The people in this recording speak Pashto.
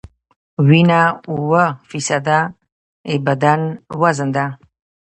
وینه اووه فیصده د بدن وزن ده.